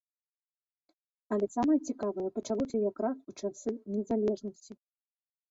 Але самае цікавае пачалося якраз у часы незалежнасці.